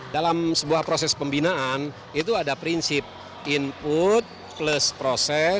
dalam sebuah proses pembinaan itu ada prinsip input plus proses